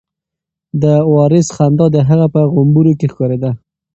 د وارث خندا د هغه په غومبورو کې ښکارېده.